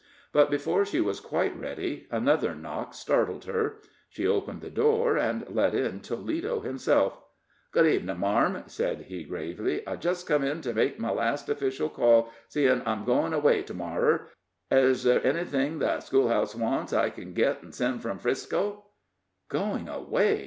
But before she was quite ready, another knock startled her. She opened the door, and let in Toledo himself. "Good evin', marm," said he, gravely. "I just come in to make my last 'fficial call, seein' I'm goin' away to morrer. Ez there anything the schoolhouse wants I ken git an' send from 'Frisco?" "Going away!"